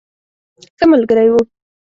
ښه ملګری وو.